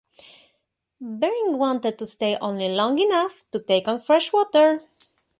Bering wanted to stay only long enough to take on fresh water.